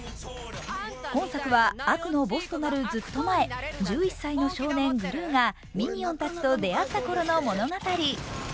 今作は悪のボスとなるずっと前、１１歳の少年、グルーがミニオンたちと出会った頃の物語。